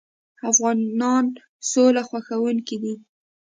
افغانان سوله خوښوونکي دي.